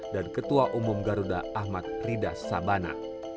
dan ketua umum garuda ahmad rida sabana